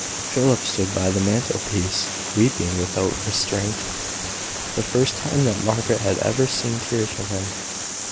Philip stood by the mantelpiece, weeping without restraint; the first time that Margaret had ever seen tears from him.